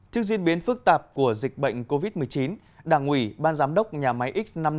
trước diễn biến phức tạp của dịch bệnh covid một mươi chín đảng ủy ban giám đốc nhà máy x năm mươi năm